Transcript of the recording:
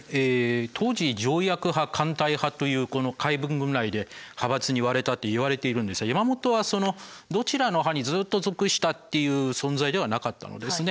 当時条約派艦隊派というこの海軍部内で派閥に割れたっていわれているんですが山本はそのどちらの派にずっと属したっていう存在ではなかったのですね。